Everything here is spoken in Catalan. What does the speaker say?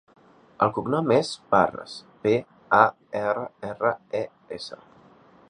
El cognom és Parres: pe, a, erra, erra, e, essa.